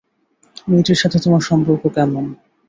মেয়েটির সাথে তোমার সম্পর্ক কেমন?